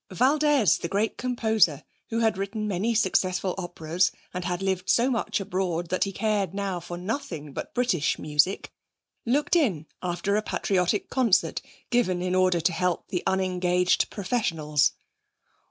Valdez, the great composer, who had written many successful operas and had lived so much abroad that he cared now for nothing but British music, looked in after a patriotic concert given in order to help the unengaged professionals.